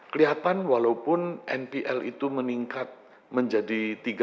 kelihatan walaupun npl itu meningkat menjadi tiga